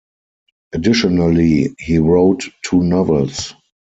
Additionally, he wrote two novels.